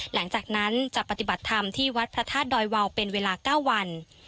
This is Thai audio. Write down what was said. หลังจากนั้นจะปฏิบัติธรรมที่วัดพระธาตุดอยวาวเป็นเวลา๙วัน